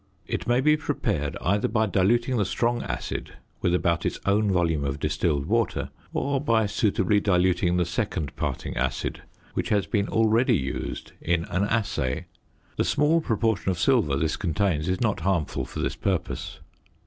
It may be prepared either by diluting the strong acid with about its own volume of distilled water, or by suitably diluting the second parting acid which has been already used in an assay; the small proportion of silver this contains is not harmful for this purpose.